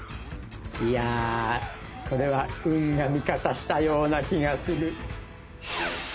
いやこれは運が味方したような気がする。